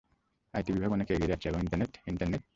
IT বিভাগ অনেক এগিয়ে যাচ্ছে, এবং ইন্টারনেট-- ইন্টারনেট?